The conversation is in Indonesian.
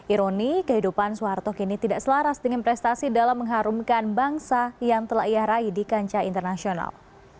ironi kehidupan soeharto kini tidak selaras dengan prestasi dalam mengharumkan bangsa yang telah ia raih di kancah internasional